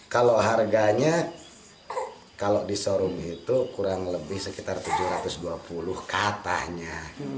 kalau harganya kalau di showroom itu kurang lebih sekitar tujuh ratus dua puluh katanya